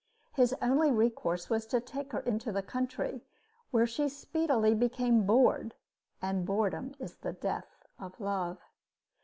His only recourse was to take her into the country, where she speedily became bored; and boredom is the death of love.